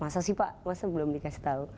masa sih pak masa belum dikasih tahu